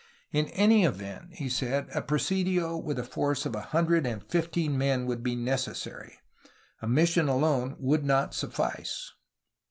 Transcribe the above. In any event, he said, a presidio with a force of a hundred and fifteen men would be necessary; a mission alone would not suffice.